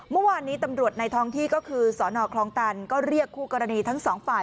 เมื่อวานนี้ตำรวจในท้องที่ก็คือสนคลองตันก็เรียกคู่กรณีทั้งสองฝ่าย